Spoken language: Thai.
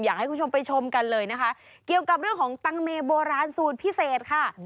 อยากให้คุณผู้ชมไปชมกันเลยนะคะเกี่ยวกับเรื่องของตังเมโบราณสูตรพิเศษค่ะ